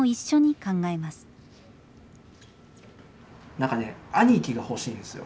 なんかね兄貴が欲しいんですよ。